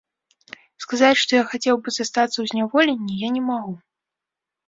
Сказаць, што я хацеў бы застацца ў зняволенні, я не магу.